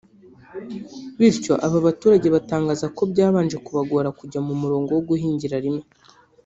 Bityo aba baturage batangaza ko byabanje kubagora kujya ku murongo wo guhingira rimwe